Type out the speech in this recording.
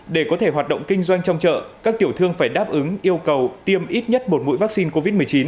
để có thể hoạt động kinh doanh trong chợ các tiểu thương phải đáp ứng yêu cầu tiêm ít nhất một mũi vaccine covid một mươi chín